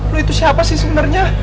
lo itu siapa sih sebenernya